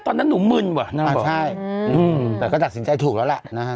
ตอนนั้นหนูมึนว่ะใช่แต่ก็ตัดสินใจถูกแล้วแหละนะฮะ